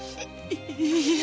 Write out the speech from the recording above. いいえ。